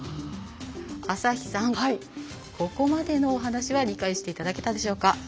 朝日さん、ここまでのお話は理解していただけたでしょうか？